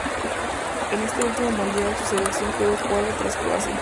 En este último mundial, su selección quedó cuarta tras Croacia.